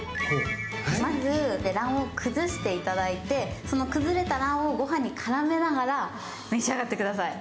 まず卵黄を崩していただいて、その崩した卵黄をご飯に絡めて召し上がってください。